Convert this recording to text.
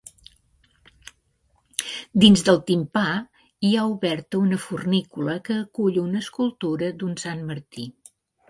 Dins del timpà hi ha oberta una fornícula que acull una escultura d'un Sant Martí.